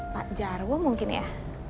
pak jarwo mungkin ya